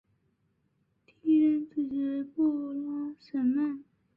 第一任主席为布拉什曼。